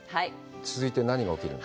続いて何が起きるの？